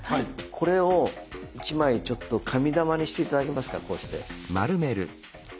これを１枚ちょっと紙玉にして頂けますかこうして。